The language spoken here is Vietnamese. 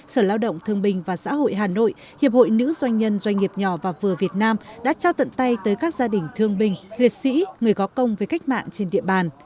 sở lao động thương bình và xã hội hà nội hiệp hội nữ doanh nhân doanh nghiệp nhỏ và vừa việt nam đã trao tận tay tới các gia đình thương binh liệt sĩ người có công với cách mạng trên địa bàn